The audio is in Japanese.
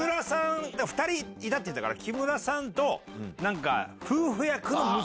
２人いたって言ったから木村さんと。